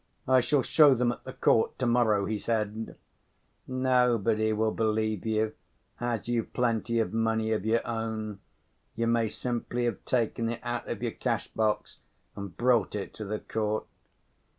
"I shall show them at the court to‐morrow," he said. "Nobody will believe you, as you've plenty of money of your own; you may simply have taken it out of your cash‐box and brought it to the court."